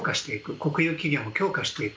国有企業も強化していく。